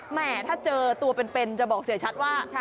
แหมถ้าเจอตัวเป็นจะบอกเสียชัดว่า